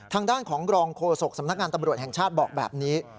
ทางด้านของรองโฆษกสำนักงานตำรวจแห่งชาติบอกแบบนี้